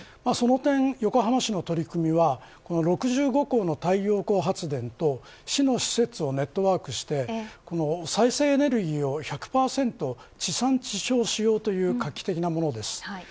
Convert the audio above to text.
その点、横浜市の取り組みはこの６５校の太陽光発電と市の施設をネットワークして再生エネルギーを１００％地産地消しようという画期的なものです。